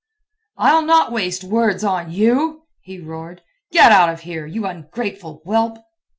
"I'll not waste words on you," he roared. "Get out of here, you ungrateful whelp!"